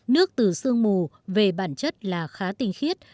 nước từ sương mù về bản chất là khá tinh khiết